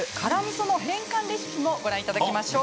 その変換レシピをご覧いただきましょう。